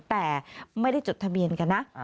แต่ไม่ได้จดทะเบียนกันนะ